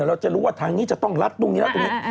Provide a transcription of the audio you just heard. เราจะรู้ว่าทางนี้จะต้องรัดตรงนี้